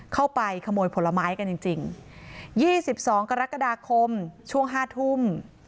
เข้าไปขโมยผลไม้กันจริงจริงยี่สิบสองกรกฎาคมช่วงห้าทุ่ม